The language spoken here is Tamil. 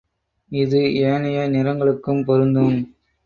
இது ஏனைய நிறங்களுக்கும் பொருந்தும்.